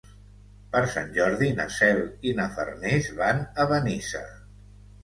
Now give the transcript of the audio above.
Per Sant Jordi na Cel i na Farners van a Benissa.